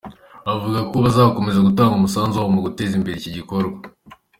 Avuga ko bazakomeza gutanga umusanzu wabo mu guteza imbere iki gikorwa.